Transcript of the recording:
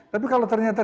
tapi kalau ternyata